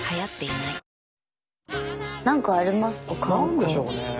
なんでしょうね。